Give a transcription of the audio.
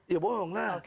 ya bohong lah